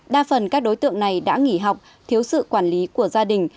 đa phần các đối tượng này đã nghỉ học thiếu sự quản lý của gia đình